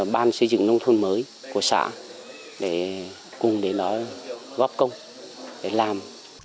ban xây dựng nông thôn mới của xã để cùng với nó góp công để làm